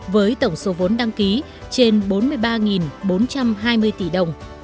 với tổng số vốn đăng ký trên bốn mươi ba bốn trăm hai mươi tỷ đồng